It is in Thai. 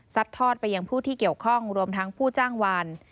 ทอดไปยังผู้ที่เกี่ยวข้องรวมทั้งผู้จ้างวาน